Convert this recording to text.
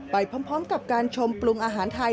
ไปพร้อมกับการชมปรุงอาหารไทย